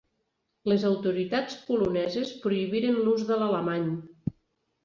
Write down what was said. Les autoritats poloneses prohibiren l'ús de l'alemany.